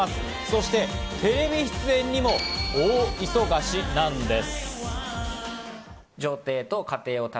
そしてテレビ出演にも大忙しなんです。